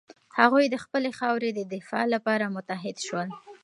هغوی د خپلې خاورې د دفاع لپاره متحد شول.